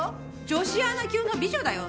女子アナ級の美女だよ？